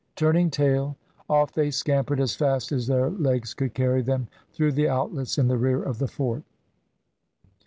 Turning tail, off they scampered as fast as their legs could carry them, through the outlets in the rear of the fort.